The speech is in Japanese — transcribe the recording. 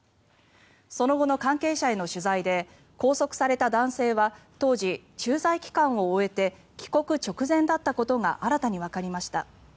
その後の関係者への取材で拘束された男性は当時、駐在期間を終えて帰国直前だったことが新たにわかりました。